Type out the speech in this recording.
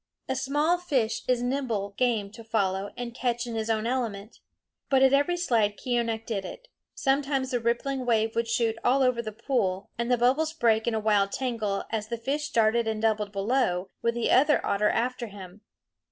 A small fish is nimble game to follow and catch in his own element. But at every slide Keeonekh did it. Sometimes the rippling wave would shoot all over the pool, and the bubbles break in a wild tangle as the fish darted and doubled below, with the otter after him.